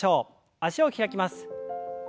脚を開きます。